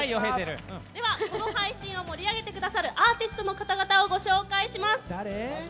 では、この配信を盛り上げてくださるアーティストの方々をご紹介します。